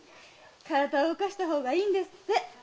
体を動かした方がいいんですって。